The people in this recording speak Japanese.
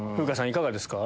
いかがですか？